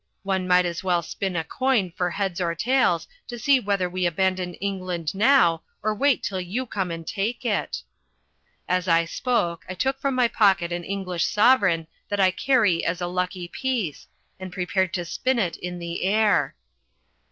One might as well spin a coin for heads or tails to see whether we abandon England now or wait till you come and take it." As I spoke, I took from my pocket an English sovereign that I carry as a lucky piece, and prepared to spin it in the air.